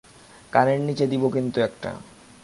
কানের নিচে দিব কিন্তু একটা।